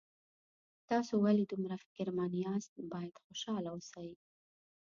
تاسو ولې دومره فکرمن یاست باید خوشحاله اوسئ